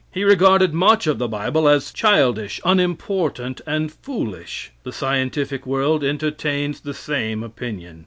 He regarded much of the Bible as childish, unimportant and foolish. The scientific world entertains the same opinion.